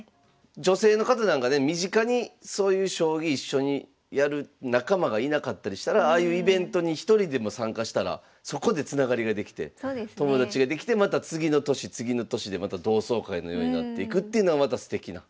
女性の方なんかね身近にそういう将棋一緒にやる仲間がいなかったりしたらああいうイベントに１人でも参加したらそこでつながりができて友達ができてまた次の年次の年でまた同窓会のようになっていくっていうのはまたすてきな。